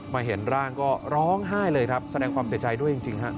เห็นร่างก็ร้องไห้เลยครับแสดงความเสียใจด้วยจริงฮะ